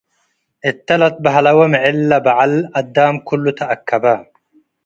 እተ ለትባህለወ ምዕል ለበዐል- አዳ'ም ክሉ' ተአከ'በ።